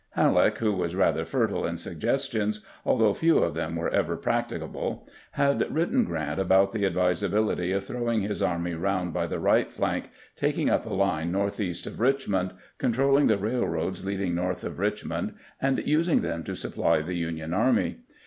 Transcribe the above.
Halleck, who was rather fertile in suggestions, although few of them were ever practicable, had written Grant about the ad visability of throwing his army round by the right flank, taking up a line northeast of Eichmond, controlling the railroads leading north of Richmond, and using them to supply the Union army.